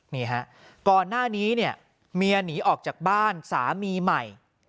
นี่ฮะก่อนหน้านี้เนี่ยเมียหนีออกจากบ้านสามีใหม่